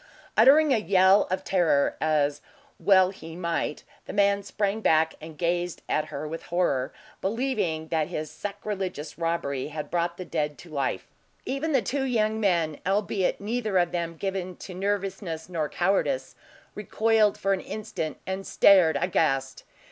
Uttering a yell of terror, as well he might, the man sprang back and gazed at her with horror, believing that his sacrilegious robbery had brought the dead to life. Even the two young men albeit, neither of them given to nervousness nor cowardice recoiled for an instant, and stared aghast.